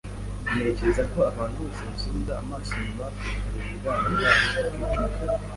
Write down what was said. Ntekereza ko abantu bose basubiza amaso inyuma bakareba ubwana bwabo bakicuza.